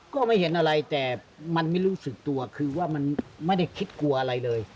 ก็ไม่เห็นอะไรแต่มันไม่รู้สึกตัวคือว่ามันไม่ได้คิดกลัวอะไรเลย